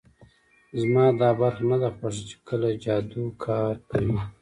زما دا برخه نه ده خوښه چې کله جادو کار کوي